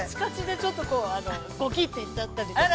ちょっとこうゴキッていっちゃったりとか。